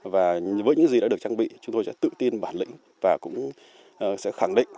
và với những gì đã được trang bị chúng tôi sẽ tự tin bản lĩnh và cũng sẽ khẳng định